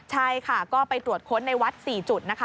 ใช่ค่ะก็ไปตรวจค้นในวัด๔จุดนะคะ